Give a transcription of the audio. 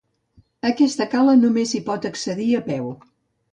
Aquesta cala només s'hi pot accedir a peu.